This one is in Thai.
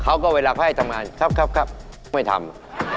เวลาเขาให้ทำงานครับครับไม่ทำ